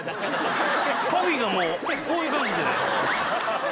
パフィンがもうこういう感じで。